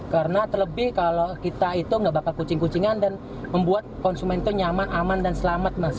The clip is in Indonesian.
karena terlebih kalau kita itu nggak bakal kucing kucingan dan membuat konsumen itu nyaman aman dan selamat mas